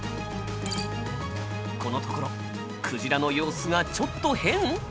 このところクジラの様子がちょっと変？